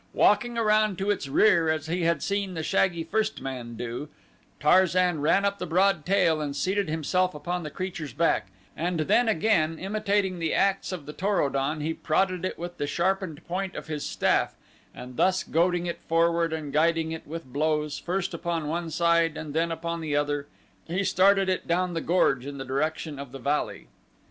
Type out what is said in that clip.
Walking around to its rear as he had seen the shaggy first man do, Tarzan ran up the broad tail and seated himself upon the creature's back, and then again imitating the acts of the Tor o don he prodded it with the sharpened point of his staff, and thus goading it forward and guiding it with blows, first upon one side and then upon the other, he started it down the gorge in the direction of the valley.